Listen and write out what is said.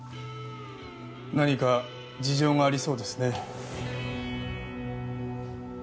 何か事情がありそうですね。